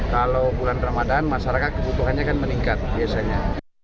kalau bulan ramadhan masyarakat kebutuhannya kan meningkat biasanya